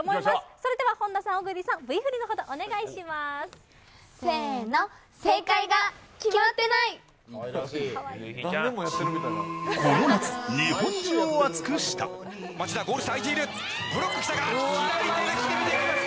それでは本田さん、小栗さん、Ｖ振りのほう、よろしくお願いします。